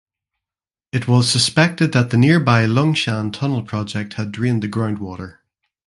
It was suspected that the nearby Lung Shan Tunnel Project had drained the groundwater.